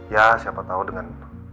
ya siapa tau dengan